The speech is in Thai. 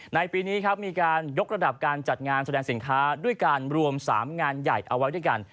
ในปีนี้ครับมีการยกระดับการจัดงานแสดงสินค้าด้วยการรวม๓งานใหญ่เอาไว้ด้วยกัน